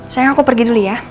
sayang aku pergi dulu ya